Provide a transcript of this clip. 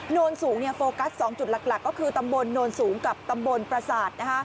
นนสูงโฟกัส๒จุดหลักก็คือตำบลโนนสูงกับตำบลประสาท